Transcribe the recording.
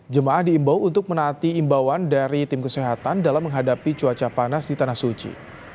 jemaah diimbau untuk menaati imbauan dari tim kesehatan dalam menghadapi cuaca panas di tanah suci